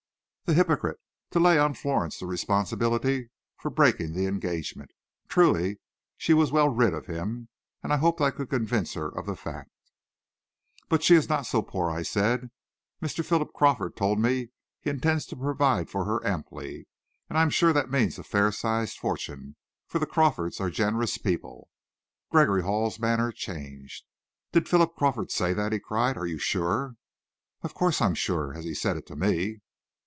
The hypocrite! To lay on Florence the responsibility for breaking the engagement. Truly, she was well rid of him, and I hoped I could convince her of the fact. "But she is not so poor," I said. "Mr. Philip Crawford told me he intends to provide for her amply. And I'm sure that means a fair sized fortune, for the Crawfords are generous people." Gregory Hall's manner changed. "Did Philip Crawford say that?" he cried. "Are you sure?" "Of course I'm sure, as he said it to me."